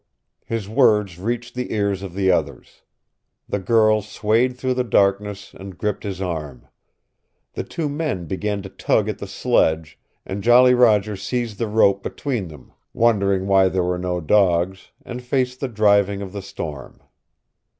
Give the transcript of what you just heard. His words reached the ears of the others. The girl swayed through the darkness and gripped his arm. The two men began to tug at the sledge, and Jolly Roger seized the rope between them, wondering why there were no dogs, and faced the driving of the storm.